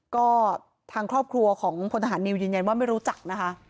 ก็ทางครอบครัวของพลทหารนิวยืนยันว่าไม่รู้จักนะคะ